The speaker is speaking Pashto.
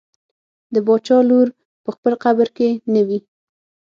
د باچا لور په خپل قبر کې نه وي.